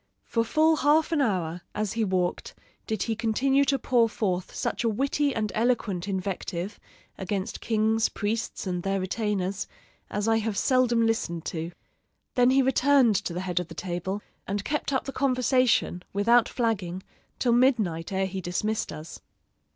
For full half an hour, as he walked, did he continue to pour forth such a witty and eloquent invective against kings, priests, and their retainers, as I have seldom listened to. Then he returned to the head of the table and kept up the conversation, without flagging, till midnight ere he dismissed us.